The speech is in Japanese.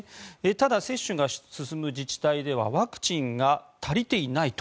ただ、接種が進む自治体ではワクチンが足りていないと。